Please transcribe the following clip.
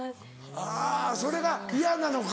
あぁそれが嫌なのか？